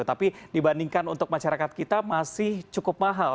tapi dibandingkan untuk masyarakat kita masih cukup mahal